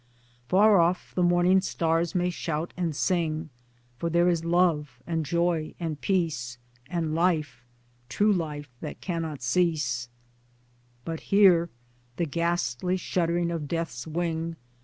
Far off the morning stars may shout and sing, For there is Love and Joy and Peace, And Life true life that cannot cease But here the ghastly shuddering of Death's wing.